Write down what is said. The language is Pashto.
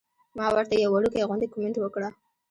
ما ورته يو وړوکے غوندې کمنټ وکړۀ -